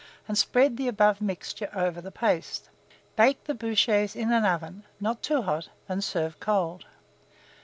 and spread the above mixture over the paste. Bake the bouchées in an oven, not too hot, and serve cold.